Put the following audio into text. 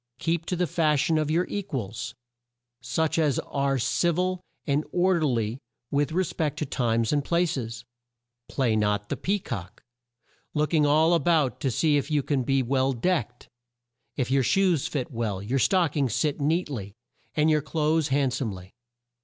Keep to the fash ion of your e quals, such as are civ il and or der ly with re spect to times and pla ces. "Play not the pea cock, look ing all a bout you to see if you be well decked, if your shoes fit well, your stock ings sit neat ly, and your clothes hand some ly.